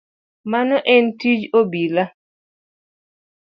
Mano en tij obila.